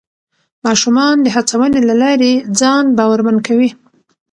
ماشومان د هڅونې له لارې ځان باورمن کوي